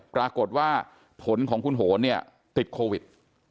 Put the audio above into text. ปรากฏว่าผลของคุณโหนเนี่ยติดโควิด